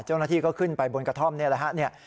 เจ้าหน้าที่ก็ขึ้นไปบนกระท่อมนี่แหละฮะ